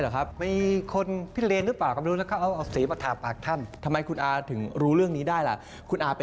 พาพี่ไปดูหน่อยได้ไหม